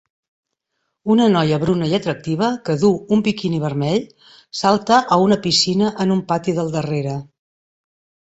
Una noia bruna i atractiva que duu un biquini vermell salta a una piscina en un pati del darrere.